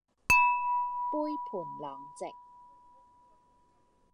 杯盤狼藉